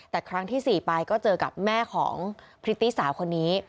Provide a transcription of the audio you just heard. แต่ครั้งที่๔ไปก็เจอกับแม่ของพริตตี้สาวคนนี้